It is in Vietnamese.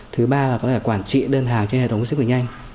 thứ ba là có thể quản trị đơn hàng trên hệ thống sức khỏe nhanh